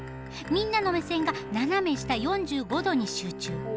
みんなの目線が斜め下４５度に集中。